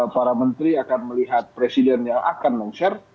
para menteri akan melihat presiden yang akan mengusir